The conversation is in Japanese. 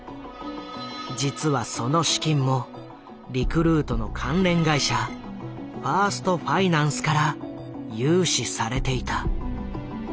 実はその資金もリクルートの関連会社ファーストファイナンスから融資されていた。